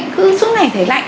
cứ suốt ngày thấy lạnh